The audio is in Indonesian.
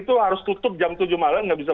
terus apa yang diperlukan high end meteran